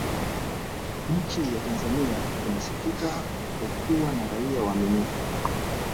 nchi ya tanzania inasifika kwa kuwa na raia waaminifu